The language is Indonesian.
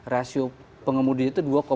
rasio pengemudi itu